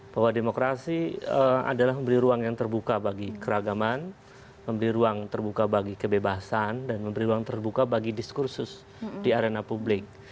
bahwa demokrasi adalah memberi ruang yang terbuka bagi keragaman memberi ruang terbuka bagi kebebasan dan memberi ruang terbuka bagi diskursus di arena publik